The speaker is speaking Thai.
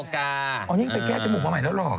เขาไปแก้จะมาใหม่แล้วหรอ